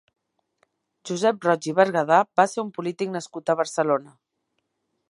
Josep Roig i Bergadà va ser un polític nascut a Barcelona.